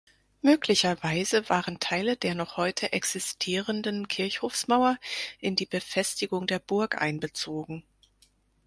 Möglicherweise waren Teile der noch heute existierenden Kirchhofsmauer in die Befestigung der Burg einbezogen.